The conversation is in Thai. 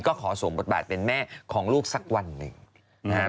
ก็ขอส่วนบทบาทเป็นแม่ของลูกสักวันหนึ่ง